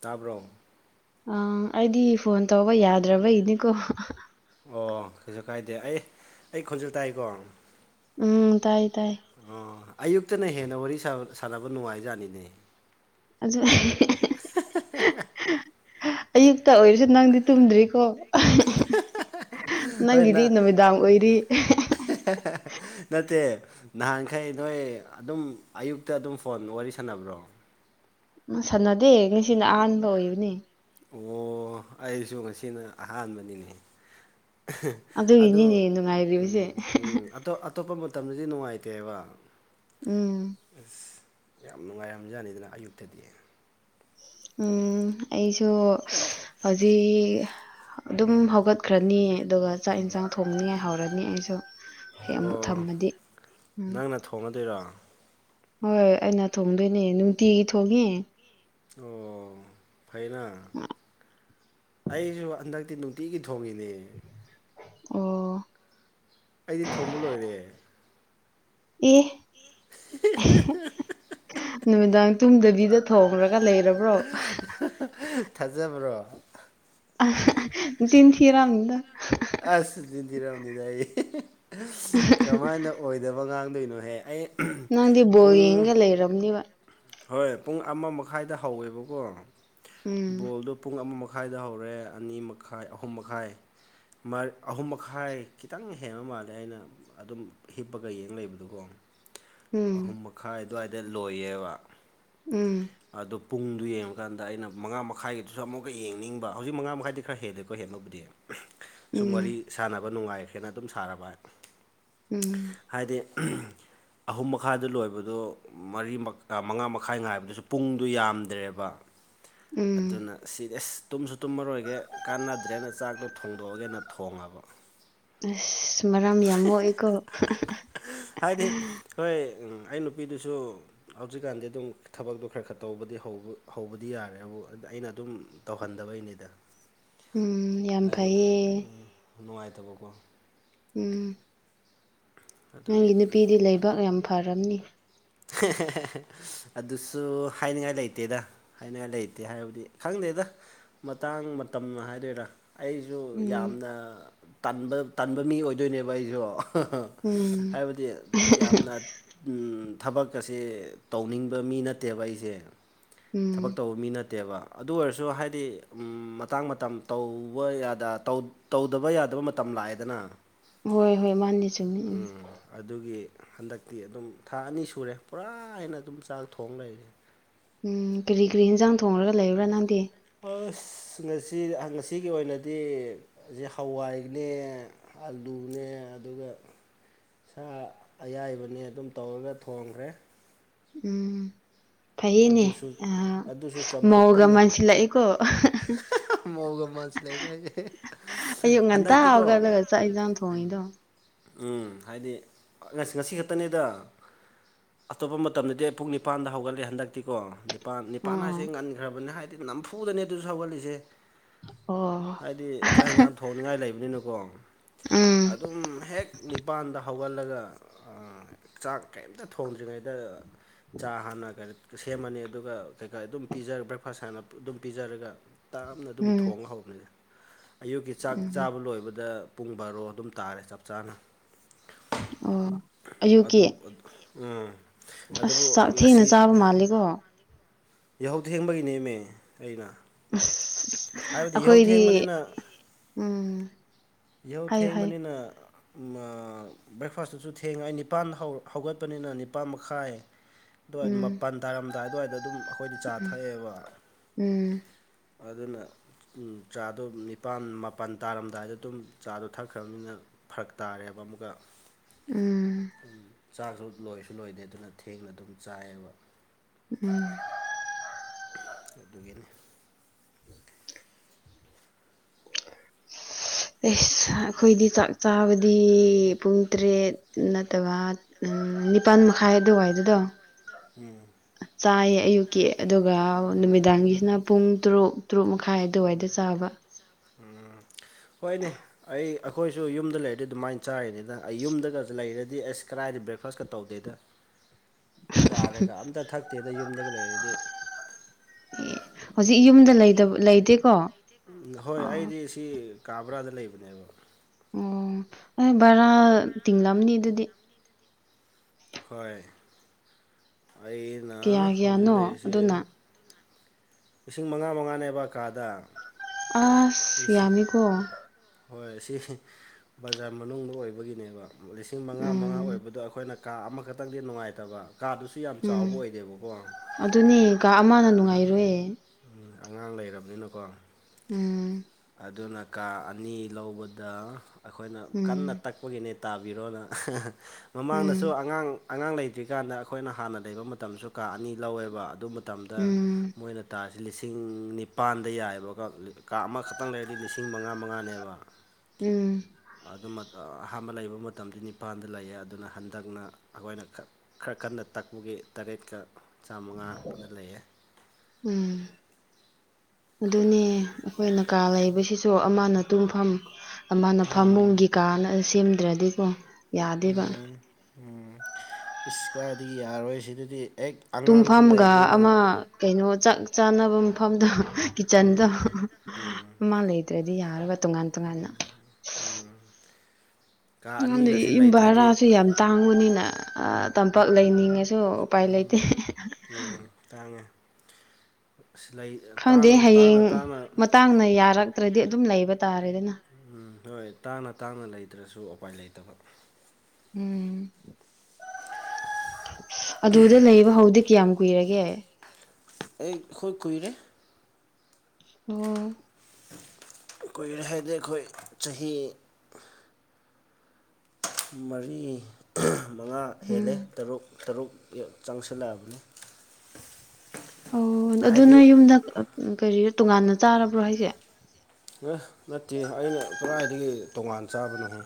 ꯇꯥꯕ꯭ꯔꯣ ꯑ ꯑꯩꯗꯤ ꯐꯣꯟ ꯇꯧꯕ ꯌꯥꯗ꯭ꯔꯕꯒꯤꯅꯤꯀꯣ ꯑꯣ ꯀꯩꯁꯨ ꯀꯥꯏꯗꯦ ꯑꯩ ꯑꯩ ꯈꯣꯟꯁꯨꯦꯜ ꯇꯥꯏꯀꯣ ꯎꯝ ꯇꯥꯏ ꯇꯥꯏ ꯑꯣ ꯑꯌꯨꯛꯇꯅ ꯍꯦꯟꯅ ꯋꯥꯔꯤ ꯁꯥꯟꯅꯕ ꯅꯨꯡꯉꯥꯏꯖꯥꯠꯅꯤꯅꯦ ꯑꯗꯨ ꯑꯌꯨꯛꯇ ꯑꯣꯏꯔꯁꯨ ꯅꯪꯗꯤ ꯇꯨꯝꯗ꯭ꯔꯤꯀꯣ ꯍꯣꯏ ꯅ ꯅꯪꯒꯤꯗꯤ ꯅꯨꯃꯤꯗꯥꯡ ꯑꯣꯏꯔꯤ ꯅꯠꯇꯦ ꯅꯍꯥꯟꯈꯩ ꯅꯣꯏ ꯑꯗꯨꯝ ꯑꯌꯨꯛꯇ ꯑꯗꯨꯝ ꯐꯣꯟ ꯋꯥꯔꯤ ꯁꯥꯟꯅꯕ꯭ꯔꯣ ꯎ ꯁꯥꯟꯅꯗꯦ ꯅꯤꯡꯁꯤꯅ ꯑꯍꯥꯟꯕ ꯑꯣꯏꯕꯅꯦ ꯑꯣ ꯑꯩꯁꯨ ꯉꯁꯤꯅ ꯑꯍꯥꯟꯕꯅꯤꯅꯦ ꯑ ꯑꯗꯨꯒꯤꯅꯤꯅꯦ ꯎꯝꯞ ꯅꯨꯡꯉꯥꯏꯔꯤꯕꯁꯦ ꯑꯇꯣꯞꯄ ꯃꯇꯝꯗꯗꯤ ꯅꯨꯡꯉꯥꯏꯇꯦꯕ ꯎꯝ ꯑꯁ ꯌꯥꯝ ꯅꯨꯡꯉꯥꯏꯔꯝꯖꯥꯅꯤꯗꯅ ꯑꯌꯨꯛꯇꯗꯤ ꯎꯝ ꯑꯩꯁꯨ ꯍꯧꯖꯤꯛ ꯑꯗꯨꯝ ꯍꯧꯒꯠꯈ꯭ꯔꯅꯤ ꯑꯗꯨꯒ ꯆꯥꯛ ꯌꯦꯟꯁꯥꯡ ꯊꯣꯡꯅꯤꯉꯥꯏ ꯍꯧꯔꯅꯤ ꯑꯩꯁꯨ ꯍꯦꯛ ꯑꯃꯨꯛ ꯊꯝꯃꯗꯤ ꯎꯝ ꯪꯅ ꯊꯣꯡꯉꯗꯣꯏꯔꯣ ꯍꯣꯏꯣꯏ ꯑꯩꯅ ꯊꯣꯡꯗꯣꯏꯅꯦ ꯅꯨꯡꯇꯤꯒꯤ ꯊꯣꯡꯉꯦ ꯑꯣ ꯐꯩꯅ ꯑꯩꯁꯨ ꯍꯟꯗꯛꯇꯤ ꯅꯨꯡ ꯎꯇꯤꯒꯤ ꯊꯣꯡꯏꯅꯦ ꯑꯣ ꯑꯩꯗꯤ ꯊꯣꯡꯕ ꯂꯣꯏꯔꯦ ꯑꯦ [inaudible] ꯅꯨꯃꯤꯗꯥꯡ ꯇꯨꯝꯗꯕꯤꯗ ꯊꯣꯡꯈ꯭ꯔꯒ ꯂꯩꯔꯕ ꯊꯥꯖꯕ꯭ꯔꯣ ꯇꯤꯟ ꯊꯔ ꯑꯁ ꯇꯤꯟꯗꯤꯔꯝꯅꯤꯗ ꯑꯩ ꯀꯃꯥꯏꯅ ꯑꯣꯏꯗꯕ ꯉꯥꯡꯗꯣꯏꯅꯣꯍꯦ ꯑꯩ ꯅꯪꯗꯤ ꯕꯣꯔ ꯄꯨꯡ ꯌꯦꯡꯒ ꯂꯩꯔꯝꯅꯦꯕ ꯍꯣꯏ ꯄꯨꯡ ꯑꯃ ꯃꯈꯥꯏꯗ ꯍꯧꯋꯦꯕꯀꯣ ꯎꯝ ꯕꯣꯜꯗꯣ ꯄꯨꯡ ꯑꯃ ꯃꯈꯥꯏꯗ ꯍꯧꯔꯦ ꯑꯅꯤ ꯃꯈꯥꯏ ꯑꯍꯨꯝ ꯃꯈꯥꯏ ꯑꯍꯨꯝ ꯃꯈꯥꯏ ꯈꯤꯇꯪ ꯍꯦꯟꯕ ꯃꯥꯜꯂꯦ ꯑꯩꯅ ꯑꯗꯨꯝ ꯍꯤꯞꯄꯒ ꯌꯦꯡ ꯂꯩꯕꯗꯨꯀꯣ ꯎꯝ ꯑꯍꯨꯝ ꯃꯈꯥꯏ ꯑꯗꯨꯋꯥꯏꯗ ꯂꯣꯏꯌꯦꯕ ꯎꯝ ꯑꯗꯨꯗꯣ ꯄꯨꯡꯗꯨ ꯌꯦꯡꯉꯀꯥꯟꯗ ꯑꯩꯅ ꯃꯉꯥ ꯃꯈꯥꯏꯒꯤꯗꯨꯁꯨ ꯑꯃꯨꯛꯀ ꯌꯦꯡꯅꯤꯡꯕ ꯍꯧꯖꯤꯛ ꯃꯉꯥ ꯃꯈꯥꯏꯗꯤ ꯈꯔ ꯍꯦꯜꯂꯦꯀꯣ ꯍꯦꯟꯅꯕꯨꯗꯤ ꯁꯨꯝ ꯎꯝ ꯋꯥꯔꯤ ꯁꯥꯟꯅꯕ ꯅꯨꯡꯉꯥꯏꯈꯦꯅ ꯑꯗꯨꯝ ꯁꯥꯅꯕ ꯍꯥꯏ ꯎꯝ ꯍꯥꯏꯗꯤ [unintelligible] ꯑꯍꯨꯝ ꯃꯈꯥꯏꯗ ꯂꯣꯏꯕꯗꯨ ꯃꯔꯤ ꯃꯥ ꯃꯉꯥ ꯃꯈꯥꯏ ꯉꯥꯏꯕꯗꯨꯁꯨ ꯄꯨꯡꯗꯨ ꯌꯥꯝꯗ꯭ꯔꯦꯕ ꯎꯝ ꯑꯗꯨꯅ ꯑꯁꯤꯗꯤ ꯏꯁ ꯇꯨꯝꯁꯨ ꯇꯨꯝꯃꯔꯣꯏꯒꯦ ꯀꯥꯟꯅꯗ꯭ꯔꯦꯅ ꯆꯥꯛꯇꯣ ꯊꯣꯡꯗꯣꯛꯑꯒꯦꯅ ꯊꯣꯡꯉꯕ ꯑꯁ ꯃꯔꯝ ꯌꯥꯝ ꯃꯣꯛꯏꯀꯣ ꯍꯥꯏꯗꯤ ꯍꯣꯏ ꯑꯪ ꯑꯩ ꯅꯨꯄꯤꯗꯨꯁꯨ ꯍꯧꯖꯤꯛꯀꯥꯟꯗꯤ ꯑꯗꯨꯝ ꯊꯕꯛꯇꯣ ꯈꯔ ꯈꯔ ꯇꯧꯕꯗꯤ ꯍꯧꯕ ꯍꯧꯕꯗꯤ ꯌꯥꯔꯦ ꯑꯗꯨꯕꯨ ꯑꯩꯅ ꯑꯗꯨꯝ ꯇꯧꯍꯟꯗꯕꯩꯅꯤꯗ ꯎꯝ ꯌꯥꯝ ꯍꯥꯏꯗꯤ ꯐꯩꯌꯦ ꯅꯨꯡꯉꯥꯏꯇꯕꯀꯣ ꯎꯝ ꯑꯗꯨꯒꯤ ꯅꯪꯒꯤ ꯅꯨꯄꯤꯗꯤ ꯂꯩꯕꯥꯛ ꯌꯥꯝ ꯐꯔꯝꯅꯤ [unintelligible] ꯑꯗꯨꯁꯨ ꯍꯥꯏꯅꯤꯡꯉꯥꯏ ꯂꯩꯇꯦꯗ ꯍꯥꯏꯅꯤꯡꯉꯥꯏ ꯂꯩꯇꯦ ꯍꯥꯏꯕꯗꯤ ꯈꯪꯗꯦꯗ ꯃꯇꯥꯡ ꯃꯇꯝ ꯍꯥꯏꯗꯣꯏꯔꯥ ꯑꯩ- ꯎꯝ ꯖꯨꯪꯌꯥꯝꯅ ꯇꯟꯕ ꯇꯟꯕ ꯃꯤ ꯑꯣꯏꯗꯣꯏꯅꯦꯕ ꯑꯩꯖꯨ ꯎꯝ [unintelligible] ꯍꯥꯏꯕꯗꯤ ꯌꯥꯝꯅ ꯎꯝ ꯊꯕꯛꯀꯁꯦ ꯇꯧꯅꯤꯡꯕ ꯃꯤ ꯅꯠꯇꯦꯕ ꯑꯩꯁꯦ ꯎꯝ ꯊꯕꯛ ꯇꯧꯕ ꯃꯤ ꯅꯠꯇꯦꯕ ꯑꯗꯨ ꯑꯣꯏꯔꯁꯨ ꯍꯥꯏꯗꯤ ꯃꯇꯥꯡ ꯃꯇꯝ ꯇꯧꯕ ꯌꯥꯗ ꯇꯧ ꯇꯧꯗꯕ ꯌꯥꯗꯕ ꯃ- ꯇꯝ ꯂꯥꯛꯏꯗꯅ ꯍꯣꯏ ꯍꯣꯏ ꯃꯥꯅꯤ ꯆꯨꯝꯃꯤ ꯎꯝ ꯑꯗꯨꯒꯤ ꯍꯟꯗꯛꯇꯤ ꯑꯗꯨꯝ ꯊꯥ ꯑꯅꯤ ꯁꯨꯔꯦ ꯄꯨꯔꯥ ꯑꯩꯅ ꯑꯗꯨꯝ ꯆꯥꯛ ꯊꯣꯡ ꯂꯩꯔꯤꯁꯦ ꯎꯝ ꯀꯔꯤ ꯀꯔꯤ ꯌꯦꯟꯖꯥꯡ ꯊꯣꯡꯉꯒ ꯂꯩꯕ꯭ꯔꯥ ꯅꯪꯗꯤ ꯑꯁ ꯉꯁꯤ ꯉꯁꯤꯒꯤ ꯑꯣꯏꯅꯗꯤ ꯑꯁꯤ ꯍꯋꯥꯏꯅꯦ ꯑꯜꯂꯨꯅꯦ ꯑꯗꯨꯒ ꯁꯥ ꯑꯌꯥꯏꯕꯅꯦ ꯑꯗꯨꯝ ꯇꯧꯔꯒ ꯊꯣꯡꯈ꯭ꯔꯦ ꯎꯝ ꯐꯩꯌꯦꯅꯦ ꯑꯗꯨꯁꯨ ꯑꯥ ꯑꯗꯨꯁꯨ ꯃꯧꯒ ꯆꯝꯐꯨꯠꯇꯅꯤ ꯃꯥꯟꯁꯤꯜꯂꯛꯏꯀꯣ ꯃꯧꯒ ꯃꯥꯟꯁꯤꯜꯂꯛꯏ ꯀꯥꯏꯖꯦ ꯑꯌꯨꯛ [unintelligible] ꯉꯟꯇꯥ ꯍꯟꯗꯛꯇꯤꯀꯣ [unintelligible] ꯎꯝ ꯍꯧꯒꯠꯂꯒ ꯆꯥꯛ ꯏꯟꯁꯥꯡ ꯊꯣꯡꯉꯤꯗꯣ ꯎꯝ ꯍꯥꯏꯗꯤ ꯉꯁ ꯉꯁꯤ ꯈꯛꯇꯅꯤꯗ ꯑꯇꯣꯞꯄ ꯃꯇꯝꯗꯗꯤ ꯄꯨꯡ ꯅꯤꯄꯥꯟꯗ ꯍꯧꯒꯠꯂꯦ ꯍꯟꯗꯛ- ꯇꯤꯀꯣ ꯅꯤꯄꯥꯟ ꯅꯤꯄꯥꯟ ꯍꯥꯏꯁꯦ ꯑꯣ ꯉꯟꯈ꯭ꯔꯕꯅꯦ ꯍꯥꯏꯗꯤ ꯅꯝꯐꯨꯗꯅꯦ ꯑꯗꯨꯁꯨ ꯍꯧꯒꯠꯂꯤꯁꯦ ꯑꯣ ꯍꯥꯏꯗꯤ ꯆꯥꯛ ꯌꯦꯟꯁꯥꯡ ꯊꯣꯡꯅꯤꯡꯉꯥꯏ ꯂꯩꯕꯅꯤꯅꯀꯣ ꯎꯝ ꯑꯗꯨꯝ ꯍꯦꯛ ꯅꯤꯄꯥꯟꯗ ꯍꯧꯒꯠꯂꯒ ꯑꯥ ꯆꯥꯛ ꯀꯔꯤꯝꯇ ꯊꯣꯡꯗ꯭ꯔꯤꯉꯩꯗ ꯆꯥ ꯍꯥꯟꯅ ꯁꯦꯝꯃꯅꯤ ꯑꯗꯨꯒ ꯀꯩꯀꯥ ꯑꯗꯨꯝ ꯄꯤꯖꯔ ꯕ꯭ꯔꯦꯛꯐꯥꯁ ꯍꯥꯟꯅ ꯑꯗꯨꯝ ꯄꯤꯖꯔꯒ ꯇꯔꯞꯅ ꯑꯗꯨꯝ ꯎꯝ ꯊꯣꯡ ꯍꯧꯔꯅꯤ ꯑꯌꯨꯛꯀꯤ ꯆꯥꯛ ꯎꯝ ꯆꯥꯕ ꯂꯣꯏꯕꯗ ꯄꯨꯡ ꯕꯥꯔꯣ ꯑꯗꯨꯝ ꯇꯥꯔꯦ ꯆꯞ ꯆꯥꯅ ꯑꯣ ꯑꯌꯨꯛꯀꯤ ꯑꯗꯨ ꯎꯝ ꯑꯁ ꯑꯗꯨꯕꯨ ꯆꯥꯛ ꯊꯦꯡꯅ ꯉꯁꯤ ꯆꯥꯕ ꯃꯥꯜꯂꯦꯀꯣ ꯌꯥꯍꯧ ꯊꯦꯡꯕꯒꯤꯅꯦꯃꯦ ꯑꯩꯅ ꯑꯁ ꯍꯥꯏꯕꯗꯤ ꯌꯍꯧ ꯑꯩꯈꯣꯏꯗꯤ ꯊꯦꯡꯕꯅꯤꯅ ꯎꯝ ꯌꯍꯧ ꯍꯥꯏꯌꯨ ꯍꯥꯏꯌꯨ ꯊꯦꯡꯕꯅꯤꯅ ꯎꯝ ꯃꯥ ꯕ꯭ꯔꯦꯛꯐꯥꯁꯇꯨꯁꯨ ꯊꯦꯡꯅ ꯑꯩ ꯅꯤꯄꯥꯟ ꯍꯧꯒꯠꯄꯅꯤꯅ ꯅꯤꯄꯥꯥꯟ ꯃꯈꯥꯏ ꯗꯨꯋꯥꯏ ꯎꯝ ꯃꯄꯟ ꯇꯥꯔꯝꯗꯥꯏ ꯑꯗꯨꯋꯥꯏꯗ ꯑꯗꯨꯝ ꯑꯩꯈꯣꯏꯗꯤ ꯆꯥ ꯊꯛꯑꯦꯕ ꯎꯝ ꯑꯗꯨꯅ ꯎꯝ ꯆꯥꯗꯣ ꯅꯤꯄꯥꯥꯟ ꯃꯥꯄꯜ ꯇꯥꯔꯝꯗꯥꯏꯗ ꯑꯗꯨꯝ ꯆꯥꯗꯣ ꯊꯛꯈ꯭ꯔꯕꯅꯤꯅ ꯐꯔꯛ ꯇꯥꯔꯦꯕ ꯑꯃꯨꯛꯀ ꯎꯝ ꯆꯥꯛꯁꯨ ꯂꯣꯏꯁꯨ ꯂꯣꯏꯗꯦ ꯑꯗꯨꯅ ꯊꯦꯡꯅ ꯑꯗꯨꯝ ꯆꯥꯏꯌꯦꯕ ꯎꯝ ꯑꯗꯨꯒꯤꯅꯤ [inaudible] [inaudible] ꯑꯩꯈꯣꯏꯗꯤ ꯆꯥꯛ ꯆꯥꯕꯗꯤ ꯄꯨꯡ ꯇꯔꯦꯠ ꯅꯠꯇꯕ ꯎꯝ ꯅꯤꯄꯥꯜ ꯃꯈꯥꯏ ꯑꯗꯨꯋꯥꯏꯗꯨꯗꯣ ꯎꯝ ꯆꯥꯏꯌꯦ ꯑꯌꯨꯛꯀꯤ ꯑꯗꯨꯒ ꯅꯨꯃꯤꯗꯥꯡꯒꯤꯁꯤꯅ ꯄꯨꯡ ꯇꯔꯨꯛ ꯇꯔꯨꯛ ꯃꯈꯥꯏ ꯑꯗꯨꯋꯥꯏꯗ ꯆꯥꯕ ꯎꯝ ꯍꯣꯏꯅꯦ ꯑꯩ ꯑꯩꯈꯣꯏꯁꯨ ꯌꯨꯝꯗ ꯂꯩꯔꯗꯤ ꯑꯗꯨꯃꯥꯏꯅ ꯆꯥꯔꯤꯅꯤꯗ ꯑꯩ ꯌꯨꯝꯗꯒ ꯂꯩꯔꯗꯤ ꯑꯁ ꯀꯗꯥꯏꯗ ꯕ꯭ꯔꯦꯛꯐꯥꯁꯀ ꯇꯧꯗꯦꯗ ꯆꯥ ꯀꯩꯀꯥ ꯑꯝꯇ ꯊꯛꯇꯦꯗ ꯌꯨꯝꯗꯒ ꯂꯩꯔꯗꯤ ꯑꯦ ꯍꯧꯖꯤꯛ ꯌꯨꯝꯗ ꯂꯩꯇꯦꯀꯣ ꯍꯣꯏ ꯑꯣ ꯑꯩꯗꯤ ꯁꯤ ꯀꯥꯕ꯭ꯔꯥꯗ ꯂꯩꯕꯅꯦꯕ ꯑꯣ ꯑꯩ ꯚꯔꯥ ꯇꯤꯡꯂꯝꯅꯤ ꯑꯗꯨꯗꯤ ꯍꯣꯏ ꯑꯩꯅ ꯀꯌꯥ ꯍꯧꯖꯤꯛ ꯀꯌꯥꯅꯣ ꯂꯩꯔꯤꯁꯦ ꯑꯗꯨꯅ ꯂꯤꯁꯤꯡ ꯃꯉꯥ ꯃꯉꯥꯅꯦꯕ ꯀꯥꯗ ꯑ ꯍꯣꯏ ꯁꯤ ꯕꯖꯥꯔ ꯃꯅꯨꯡꯗ ꯑꯣꯏꯕꯒꯤꯅꯦꯕ ꯂꯤꯁꯤꯡ ꯃꯉꯥ ꯃꯉꯥ ꯎꯝ ꯑꯣꯏꯕꯗ ꯑꯩꯈꯣꯏꯅ ꯀꯥ ꯑꯃꯈꯛꯇꯪꯗꯤ ꯅꯨꯡꯉꯥꯏꯇꯕ ꯀꯥꯗꯨ ꯁꯨ ꯌꯥꯝ ꯎꯝ ꯆꯥꯎꯕ ꯑꯣꯏꯗꯦꯕꯀꯣ ꯎꯝ ꯑꯗꯨꯅꯦ ꯀꯥ ꯑꯃꯅ ꯅꯨꯡꯉꯥꯏꯔꯣꯏ ꯎꯝ ꯑꯉꯥꯡ ꯂꯩꯔꯕꯅꯤꯅꯀꯣ ꯎꯝ ꯑꯗꯨꯅ ꯀꯥ ꯑꯅꯤ ꯂꯧꯕꯗ ꯑꯩꯈꯣꯏꯅ ꯀꯟꯅ ꯎꯝ ꯇꯛ ꯑꯩꯈꯣꯏꯒꯤꯅꯦ ꯇꯥꯕꯤꯔꯣꯅ ꯃꯃꯥꯡꯗꯁꯨ ꯎꯝ ꯑꯉꯥꯡ ꯑꯉꯥꯡ ꯂꯩꯇ꯭ꯔꯤꯀꯥꯟꯗ ꯑꯩꯈꯣꯏꯅ ꯍꯥꯟꯅ ꯂꯩꯕ ꯃꯇꯝꯁꯨ ꯀꯥ ꯑꯅꯤ ꯂꯧꯋꯦꯕ ꯑꯗꯨ ꯃꯇꯝꯗ ꯎꯝ ꯃꯣꯏꯅ ꯇꯥꯁꯤ ꯂꯤꯁꯤꯡ ꯅꯤꯄꯥꯟꯗ ꯌꯥꯏꯑꯕ ꯀꯥ ꯑꯃꯈꯛ ꯈꯥꯛꯇꯪ ꯂꯩꯔꯗꯤ ꯂꯤꯁꯤꯡ ꯃꯉꯥ ꯃꯉꯥꯅꯦꯕ ꯎꯝ ꯑꯗꯨ ꯑꯍꯥꯟꯕ ꯂꯩꯕ ꯃꯇꯝꯗ ꯅꯤꯄꯥꯟꯗ ꯂꯩꯌꯦ ꯑꯗꯨꯅ ꯍꯟꯗꯛꯅ ꯑꯩꯈꯣꯏꯅ ꯈꯔ ꯀꯟꯅ ꯇꯥꯛꯄꯒꯤ ꯇꯔꯦꯠꯀ ꯆꯥꯃꯉꯥꯗ ꯂꯩꯌꯦ ꯎꯝ ꯑꯗꯨꯅꯤ ꯑꯩꯈꯣꯏꯅ ꯀꯥ ꯂꯩꯕꯁꯤꯁꯨ ꯑꯃꯅ ꯇꯨꯡꯐꯝ ꯃꯥꯅ ꯎꯝ ꯐꯃꯨꯡꯒꯤ ꯀꯥꯅ ꯁꯦꯝꯗ꯭ꯔꯗꯤꯀꯣ ꯌꯥꯗꯦꯕ ꯎꯝ ꯎꯝ ꯏꯁ ꯀꯥꯏꯗꯒꯤ ꯌꯥꯔꯣꯏ ꯁꯤꯗꯗꯤ ꯍꯦꯛ ꯑꯉꯥꯡꯁꯨ ꯇꯨꯝꯐꯝꯒ ꯂꯩꯕꯅꯤꯅ ꯑꯃ ꯀꯩꯅꯣ ꯆꯥꯛ ꯆꯥꯅꯕ ꯃꯐꯝꯗ ꯀꯤꯠꯆꯟꯗ ꯎꯝ ꯎꯝ ꯑꯗꯨ꯭ꯔꯗꯤ ꯌꯥꯔꯒ ꯇꯣꯉꯥꯟ ꯇꯣꯉꯥꯟꯅ ꯀꯥ ꯑ ꯑꯅꯤꯒꯁꯦ ꯌꯨꯝ ꯂꯩꯇ꯭ꯔꯗꯤ ꯍꯔꯥꯁꯨ ꯌꯥꯝ ꯇꯥꯡꯕꯅꯤꯅ ꯇꯝꯄꯥꯛ ꯂꯩꯅꯤꯡꯉꯁꯨ ꯎꯄꯥꯏ ꯂꯩꯇꯦ ꯎꯝ ꯎꯝ ꯇꯥꯡꯉꯦ ꯁꯤꯂꯥꯏ ꯈꯪꯗꯦ ꯍꯌꯦꯡ ꯃꯇꯥꯡꯅ ꯌꯥꯔꯛꯇ꯭ꯔꯗꯤ ꯑꯗꯨꯝ ꯂꯩꯕ ꯇꯥꯔꯦꯗꯅ ꯎꯝ ꯍꯣꯏ ꯇꯥꯡꯅ ꯇꯥꯡꯅ ꯂꯩꯇ꯭ꯔꯁꯨ ꯎꯄꯥꯏ ꯂꯩꯇꯕ ꯎꯝ ꯑꯗꯨꯗ ꯂꯩꯕ ꯍꯧꯗꯤ ꯀꯌꯥꯝ ꯀꯨꯏꯔꯒꯦ ꯑꯦ ꯍꯣꯏ ꯀꯨꯏꯔꯦ ꯑꯣ ꯀꯨꯣꯏꯔꯦ ꯍꯥꯏꯗꯤ ꯑꯩꯈꯣꯏ ꯆꯍꯤ ꯃꯔꯤ ꯃꯉꯥ ꯎꯝ ꯍꯦꯜꯂꯦ ꯇꯔꯨꯛ ꯇꯔꯨꯛ ꯆꯪꯁꯤꯜꯂꯛ ꯑꯕꯅꯤ ꯑꯣ ꯑꯗꯨ ꯅꯣꯏ ꯌꯨꯝꯗ ꯀꯔꯤ ꯇꯣꯉꯥꯟꯅ ꯇꯥꯔꯕ꯭ꯔꯣ ꯍꯥꯏꯁꯦ ꯑꯦꯁ ꯅꯠꯇꯦ ꯑꯩꯅ ꯀꯗꯥꯏꯗꯒꯤ ꯇꯣꯉꯥꯟ ꯆꯥꯕꯅꯣꯍꯦ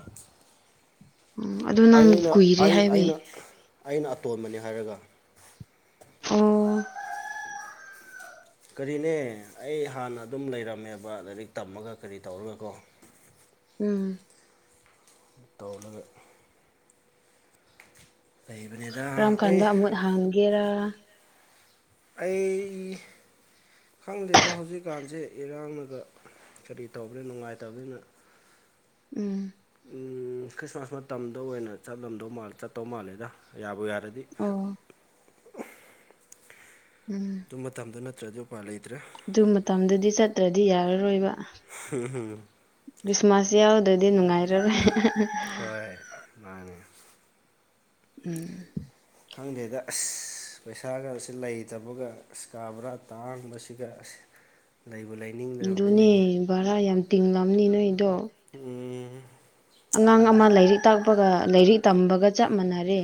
ꯎꯝ ꯑꯗꯨ ꯅꯪ ꯑꯩꯅ ꯀꯨꯏꯔꯦ ꯑꯩ ꯍꯥꯏꯕꯩ ꯑꯩꯅ ꯑꯩꯅ ꯑꯇꯣꯟꯕꯅꯤ ꯍꯥꯏꯔꯒ ꯑꯣ ꯀꯔꯤꯅꯦ ꯑꯩ ꯍꯥꯟꯅ ꯑꯗꯨꯝ ꯂꯩꯔꯝꯃꯦꯕ ꯂꯥꯏꯔꯤꯛ ꯇꯝꯃꯒ ꯀꯔꯤ ꯇꯧꯔꯒꯀꯣ ꯎꯝ ꯇꯧꯂꯒ ꯂꯩꯕꯅꯦꯗ ꯀꯔꯝ ꯀꯥꯟꯗ ꯑꯃꯨꯠ ꯍꯥꯡꯒꯦꯔꯥ ꯑꯩ ꯈꯪꯗꯦꯗ ꯍꯧꯖꯤꯛꯀꯥꯟꯁꯦ ꯏꯔꯥꯡꯅꯒ ꯀꯔꯤ ꯇꯧꯕꯅꯤ ꯅꯨꯡꯉꯥꯏꯇꯕꯅꯤꯅ ꯎꯝ ꯈ꯭ꯔꯤꯁꯃꯥꯁ ꯃꯇꯝꯗ ꯑꯣꯏꯅ ꯆꯠꯂꯝꯗꯧ ꯃꯥꯜ ꯆꯠꯇꯧ ꯃꯥꯜꯂꯦꯗ ꯌꯥꯕꯨ ꯌꯥꯔꯗꯤ ꯑꯣ ꯎꯝ ꯑꯗꯨ ꯃꯇꯝꯗꯣ ꯅꯠꯇ꯭ꯔꯗꯤ ꯎꯄꯥꯏ ꯂꯩꯇ꯭ꯔꯦ ꯑꯗꯨ ꯃꯇꯝꯗꯨꯗꯤ ꯆꯠꯇ꯭ꯔꯗꯤ ꯌꯥꯔꯔꯣꯏꯕ ꯍꯝꯝ ꯈ꯭ꯔꯤꯁꯃꯥꯁ ꯌꯥꯎꯗ꯭ꯔꯗꯤ ꯅꯨꯡꯉꯥꯏꯔꯔꯦ ꯍꯣꯏ ꯃꯥꯅꯦ ꯎꯝ ꯈꯪꯗ꯭ꯔꯦꯗ ꯑꯁ ꯑ ꯄꯩꯁꯥꯒ ꯑꯁꯤ ꯂꯩꯇꯕꯒ ꯀꯥꯕ꯭ꯔꯥ ꯇꯥꯡꯕꯁꯤꯒ ꯂꯩꯕ ꯂꯩ ꯑꯗꯨꯅꯦ ꯚꯔꯥ ꯌꯥꯝ ꯇꯤꯡꯂꯕꯅꯤ ꯅꯣꯏꯗꯣ ꯎꯝ ꯑꯉꯥꯡ ꯃꯥꯅꯦ ꯑꯃ ꯂꯥꯏꯔꯤꯛ ꯇꯥꯛꯄꯒ ꯂꯥꯏꯔꯤꯛ ꯇꯝꯕꯒ ꯆꯞ ꯃꯥꯟꯅꯔꯦ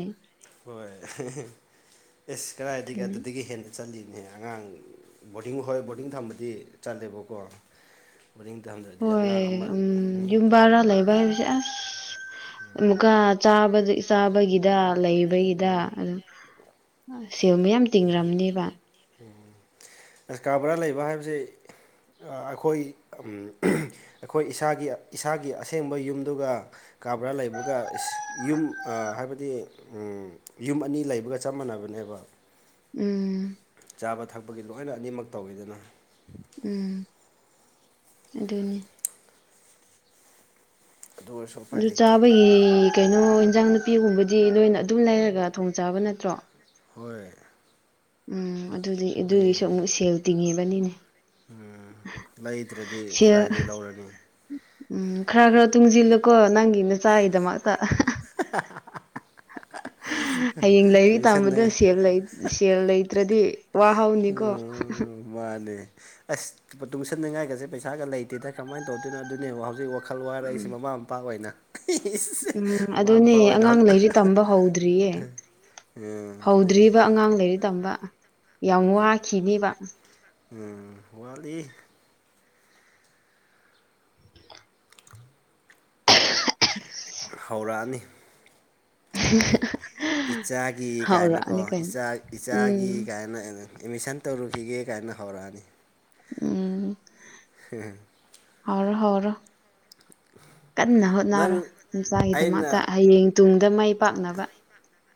ꯍꯣꯏ ꯑꯦꯁ ꯀꯗꯥꯥꯏꯗꯒꯤꯒ ꯑꯗꯨꯅꯤ ꯑꯗꯨꯗꯒꯤ ꯍꯦꯟꯅ ꯆꯠꯂꯤꯅꯦꯍ ꯑꯉꯥꯡ ꯕꯣꯔꯗꯤꯡ ꯍꯣꯏ ꯕꯣꯔꯗꯤꯡ ꯊꯝꯕꯗꯤ ꯆꯠꯂꯦꯕꯀꯣ ꯃꯅꯤꯡ ꯇꯝꯗ꯭ꯔꯗꯤ ꯑꯉꯥꯡ ꯑꯃ ꯇꯔꯥ ꯂꯩꯕ ꯍꯁ ꯑꯁ ꯑꯃꯨꯛꯀꯥ ꯆꯥꯕꯒꯤꯗ ꯂꯩꯕꯒꯤꯗ ꯑꯗꯨꯝ ꯁꯤꯃꯤ ꯌꯥꯝ ꯎ ꯎꯝ ꯑꯁ ꯀꯥ ꯕꯣꯔꯥ ꯂꯩꯕ ꯍꯥꯏꯕꯕꯁꯤꯦ ꯑꯩꯈꯣꯏ ꯑꯩꯈꯣꯏ ꯏꯁꯥꯒꯤ ꯏꯁꯥꯒꯤ ꯑꯁꯦꯡꯕ ꯌꯨꯝꯗꯨꯒ ꯀꯥꯕꯔꯥ ꯂꯩꯕꯒ ꯌꯨꯝ ꯍꯥꯏꯕꯗꯤ ꯌꯨꯝ ꯑꯅꯤ ꯂꯩꯕꯒ ꯆꯞ ꯃꯥꯟꯅꯕꯅꯦꯕ ꯎꯝ ꯆꯥꯕ ꯊꯛꯄꯒꯤ ꯂꯣꯏꯅ ꯑꯅꯤꯃꯛ ꯇꯧꯋꯤꯗꯅ ꯎꯝ ꯑꯗꯨꯅꯦ ꯑꯗꯨ ꯑꯣꯏꯔꯁꯨ ꯎꯄꯥꯏ ꯑꯗꯨ ꯂꯩꯇꯦ ꯆꯥꯕꯒꯤ ꯀꯩꯅꯣ ꯏꯟꯖꯥꯡ ꯅꯨꯄꯤꯒꯨꯝꯕꯗꯤ ꯂꯣꯏꯅ ꯑꯗꯨꯝ ꯂꯩꯔꯒ ꯊꯣꯡ ꯆꯥꯕ ꯅꯠꯇ꯭ꯔꯣ ꯍꯣꯏ ꯎꯝ ꯑꯗꯨꯗꯤ ꯑꯗꯨꯒꯤꯁꯨ ꯑꯃꯨꯛ ꯁꯦꯜ ꯇꯤꯡꯉꯦꯕꯅꯤꯅꯦ ꯎꯝ ꯂꯩꯗ꯭ꯔꯗꯤ ꯁꯦꯜ ꯀꯗꯥꯏꯗꯒꯤ ꯂꯧꯔꯅꯤ ꯎꯝ ꯈꯔ ꯈꯔ ꯇꯨꯡꯁꯤꯜꯂꯨꯀꯣ ꯅꯪꯒꯤ ꯅ ꯆꯥꯔꯤꯗꯃꯛꯇ [unintelligible] ꯍꯌꯦꯡ ꯂꯥꯏꯔꯤꯛ ꯇꯝꯕꯗ ꯇꯨꯏꯁꯟꯅ ꯁꯦꯕ ꯂꯩ ꯁꯦꯜ ꯂꯩꯇ꯭ꯔꯗꯤ ꯋꯥꯍꯧꯅꯤꯀꯣ ꯎꯝ ꯃꯥꯅꯦ ꯑꯁ ꯇꯨꯡꯁꯟꯅꯅꯤꯡꯉꯥꯏꯒꯁꯦ ꯄꯩꯁꯥꯒ ꯂꯩꯇꯦꯗ ꯀꯃꯥꯏꯅ ꯇꯧꯗꯣꯏꯅꯣ ꯑꯗꯨꯅꯦꯕ ꯍꯧꯖꯤꯛ ꯋꯥꯜ ꯋꯥꯔꯛꯏꯁꯦ ꯎꯝ ꯃꯃꯥ ꯃꯄꯥ ꯑꯣꯏꯅ ꯎꯝ ꯃꯃꯥ ꯑꯗꯨꯅꯦ ꯃꯄꯥ ꯑꯣꯏꯅ ꯑꯉꯥꯡ ꯍꯧꯖꯤꯛ ꯂꯩꯥꯏꯔꯤ ꯇꯝꯕ ꯍꯧꯗ꯭ꯔꯤꯌꯦ ꯎꯝ ꯑꯗꯨꯅꯤ ꯍꯧꯗ꯭ꯔꯤꯕ ꯑꯉꯥꯡ ꯂꯩꯔꯤ ꯇꯝꯕ ꯌꯥꯝ ꯋꯥꯈꯤꯅꯦꯕ ꯎꯝ ꯋꯥꯠꯂꯤ ꯍꯧꯔꯛꯑꯅꯤ [unintelligible] ꯏꯆꯥꯒꯤ ꯀꯥꯏꯅꯀꯣ ꯍꯧꯔꯛꯑꯅꯤ ꯀꯩꯅꯣ ꯏꯆꯥ ꯏꯆꯥꯒꯤ ꯎꯝ ꯀꯥꯏꯅ ꯑꯦꯠꯃꯤꯁꯟ ꯇꯧꯔꯨꯈꯤꯒꯦ ꯀꯥꯏꯅ ꯍꯧꯔꯛꯑꯅꯤ꯫ ꯎꯝ [unintelligible] ꯍꯧꯔꯣ - ꯍꯧꯔꯣ꯫ ꯀꯟꯅ ꯍꯣꯠꯅꯔꯣ ꯅꯪ ꯅꯆꯥꯒꯤꯗꯃꯛꯇ ꯑꯩꯅ ꯍꯌꯦꯡ ꯇꯨꯡꯗ ꯃꯥꯏ ꯄꯥꯛꯅꯕ꯫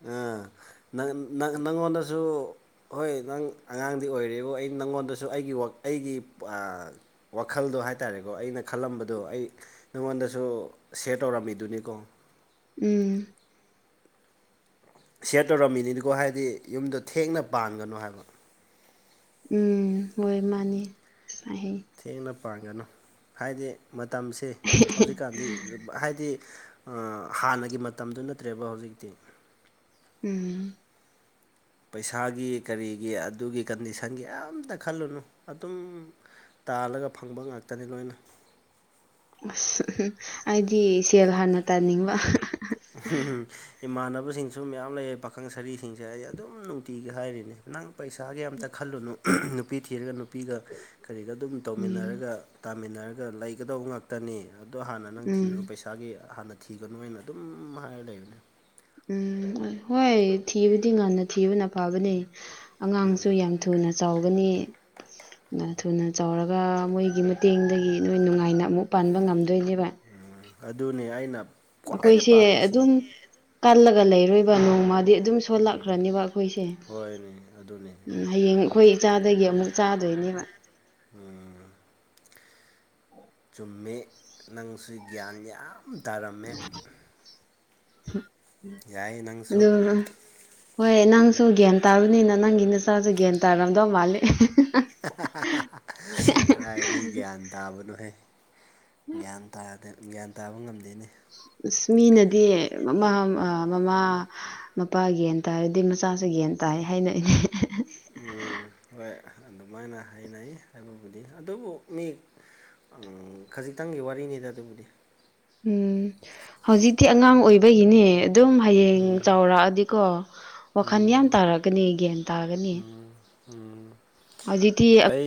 ꯑꯥ ꯅꯪ ꯅꯪ ꯅꯪꯉꯣꯟꯗꯁꯨ ꯍꯣꯏ ꯅꯪ ꯑꯉꯥꯡꯗꯤ ꯑꯣꯏꯔꯤꯕꯨ ꯑꯩ ꯅꯪꯉꯣꯟꯗꯁꯨ ꯑꯩꯒꯤ ꯋꯥ ꯑꯩꯒꯤ ꯋꯥꯈꯜꯗꯣ ꯍꯥꯏꯇꯥꯔꯦꯀꯣ ꯑꯩꯅ ꯈꯜꯂꯝꯕꯗꯣ ꯑꯩ ꯅꯉꯣꯟꯗꯁꯨ ꯁꯦꯌꯔ ꯇꯧꯔꯝꯃꯤꯗꯨꯅꯤꯀꯣ ꯎꯝ ꯁꯤꯌꯔ ꯇꯧꯔꯝꯃꯤꯅꯤꯅꯀꯣ ꯍꯥꯏꯗꯤ ꯌꯨꯝꯗꯣ ꯊꯦꯡꯅ ꯄꯥꯟꯒꯅꯣ ꯍꯥꯏꯕ꯫ ꯎꯝ ꯍꯣꯏ ꯃꯥꯅꯤ ꯁꯥꯏꯍꯦꯕ ꯫ ꯊꯦꯡꯅ ꯄꯥꯟꯒꯅꯨ ꯍꯥꯏꯗꯤ ꯃꯇꯝꯁꯦ [unintelligible] ꯍꯧꯖꯤꯛꯀꯥꯟꯗꯤ ꯍꯥꯏꯗꯤ ꯍꯥꯟꯅꯒꯤ ꯃꯇꯝꯗꯨ ꯅꯠꯇ꯭ꯔꯦꯕ ꯍꯧꯖꯤꯛꯇꯤ꯫ ꯎꯝ ꯄꯩꯁꯥꯒꯤ ꯀꯔꯤꯒꯤ ꯑꯗꯨꯒꯤ ꯀꯟꯗꯤꯁꯟꯒꯤ ꯑꯝꯇ ꯈꯜꯂꯨꯅꯨ ꯑꯗꯨꯝ ꯇꯥꯜꯂꯒ ꯐꯪꯕ ꯉꯥꯛꯇꯅꯤ ꯂꯣꯏꯅ꯫ ꯑꯁ ꯑꯩꯗꯤ ꯁꯦꯜ ꯍꯥꯟꯅ ꯇꯥꯟꯅꯤꯡꯕ꯫ [unintelligible] ꯏꯃꯥꯟꯅꯕꯁꯤꯡꯁꯨ ꯃꯌꯥꯝ ꯂꯩꯌꯦ ꯄꯥꯈꯪ ꯁꯔꯤꯁꯤꯡꯁꯦ ꯑꯩ ꯑꯗꯨꯝ ꯅꯨꯡꯇꯤꯒꯤ ꯍꯥꯏꯔꯤꯅꯤ ꯅꯪ ꯄꯩꯁꯥꯒꯤ ꯑꯝꯇ ꯈꯜꯂꯨꯅꯨ ꯅꯨꯄꯤ ꯊꯤꯔꯒ ꯅꯨ ꯅꯨꯄꯤꯒ ꯀꯔꯤꯒ ꯑꯗꯨꯝ ꯎꯝ ꯇꯧꯃꯤꯟꯅꯔꯒ ꯇꯥꯃꯤꯟꯅꯔꯒ ꯂꯩꯒꯗꯧꯕ ꯉꯥꯛꯇꯅꯤ꯫ ꯑꯗꯣ ꯍꯥꯟꯅ ꯅꯪ ꯊꯤꯔꯣ ꯎꯝ ꯄꯩꯁꯥꯒꯤ ꯍꯥꯟꯅ ꯊꯤꯒꯅꯨꯅ ꯑꯗꯨꯝ ꯍꯥꯏꯔ ꯂꯩꯕꯅꯦ꯫ ꯎꯝ ꯍꯣꯏ ꯊꯤꯕꯨꯗꯤ ꯉꯟꯅ ꯊꯤꯕꯅ ꯐꯕꯅꯦ꯫ ꯑꯉꯥꯡꯁꯨ ꯎꯝ ꯌꯥꯝ ꯊꯨꯅ ꯆꯥꯎꯒꯅꯤ ꯌꯥꯝ ꯊꯨꯅ ꯆꯥꯎꯔꯒ ꯃꯣꯏꯒꯤ ꯃꯇꯦꯡꯗꯒꯤ ꯅꯣꯏ ꯅꯨꯡꯉꯥꯏꯅ ꯑꯃꯨꯛ ꯄꯥꯟꯕ ꯉꯝꯗꯣꯏꯅꯦꯕ꯫ ꯎꯝ ꯑꯗꯨꯅꯤ ꯑꯩꯅ ꯈ꯭ꯋꯥꯏꯗ ꯑꯩꯈꯣꯏꯁꯦ ꯄꯥꯝꯃꯤꯁꯦ ꯑꯗꯨꯝ ꯀꯜꯂꯒ ꯂꯩꯔꯣꯏꯕ ꯅꯣꯡꯃꯗꯤ ꯑꯗꯨꯝ ꯁꯣꯜꯂꯛꯈ꯭ꯔꯅꯦꯕ ꯑꯩꯈꯣꯏꯁꯦ꯫ ꯑꯗꯨꯅꯤ ꯍꯌꯦꯡ ꯑꯩꯈꯣꯏ ꯏꯆꯥꯗꯒꯤ ꯑꯃꯨꯛ ꯆꯥꯗꯣꯏꯅꯦꯕ꯫ ꯎꯝ ꯆꯨꯝꯃꯦ ꯅꯪꯁꯨ ꯒ꯭ꯌꯥꯟ ꯌꯥꯝ ꯇꯥꯔꯝꯃꯦ ꯌꯥꯏ ꯅꯪꯁꯨ [unintelligible] ꯍꯣꯏ ꯅꯪꯁꯨ ꯒ꯭ꯌꯥꯟ ꯇꯥꯕꯅꯤꯅ ꯅꯪꯒꯤ ꯅꯆꯥꯁꯨ ꯒ꯭ꯌꯥꯟ ꯇꯥꯔꯝꯗꯧ ꯃꯥꯂꯦ꯫ [unintelligible] ꯀꯗꯥꯏꯗꯒꯤ ꯒ꯭ꯌꯥꯟ ꯇꯥꯕꯅꯣꯍꯦ? ꯒ꯭ꯌꯥꯟ ꯇꯥꯗꯦ ꯒ꯭ꯌꯥꯟ ꯇꯥꯕ ꯉꯝꯗꯦꯅꯤ꯫ ꯏꯁ ꯃꯤꯅꯗꯤ ꯃꯃꯥ ꯑꯥ ꯃꯃꯥ ꯃꯄꯥ ꯒ꯭ꯌꯥꯟ ꯇꯥꯔꯗꯤ ꯃ ꯆꯥꯁꯨ ꯒ꯭ꯌꯥꯟ ꯇꯥꯏ ꯍꯥꯏꯅ ꯑꯩꯅꯦ ꯎꯝ ꯍꯣꯏ ꯑꯗꯨꯃꯥꯏꯅ ꯍꯥꯏꯅꯩ ꯍꯥꯏꯕꯕꯨꯗꯤ ꯑꯗꯨꯕꯨ ꯃꯤ ꯎꯝ ꯈꯖꯤꯛꯇꯪꯒꯤ ꯋꯥꯔꯤꯅꯤꯗ ꯑꯗꯨꯕꯨꯗꯤ꯫ ꯎꯝ ꯍꯧꯖꯤꯛꯇꯤ ꯑꯉꯥꯡ ꯑꯣꯏꯕꯒꯤꯅꯦ ꯑꯗꯨꯝ ꯍꯌꯦꯡ ꯎꯝ ꯆꯥꯎꯔꯛꯑꯗꯤꯀꯣ ꯋꯥꯈꯟ ꯎꯝ ꯌꯥꯝ ꯇꯥꯔꯛꯀꯅꯤ ꯒ꯭ꯌꯥꯟ ꯇꯥꯒꯅꯤ ꯎꯝ ꯎꯝ ꯍꯧꯖꯤꯛꯇꯤ ꯑꯩ